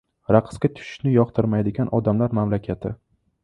Raqsga tushishni yoqtirmaydigan odamlar mamlakati